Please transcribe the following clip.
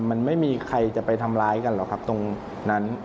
มันไม่มีใครจะไปทำร้ายกันหรอกครับตรงนั้น